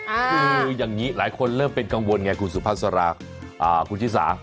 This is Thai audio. คืออย่างนี้หลายคนเริ่มเป็นกังวลไงคุณสุภาษาคุณชิสา